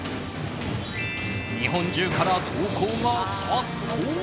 日本中から投稿が殺到！